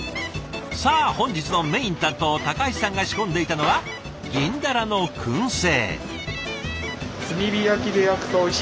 さあ本日のメイン担当高橋さんが仕込んでいたのは銀鱈の燻製。